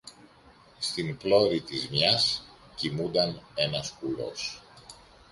Στην πλώρη της μιας κοιμούνταν ένας κουλός